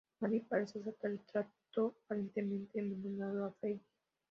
Mary parece aceptar el trato, aparentemente envenenando a Freddy.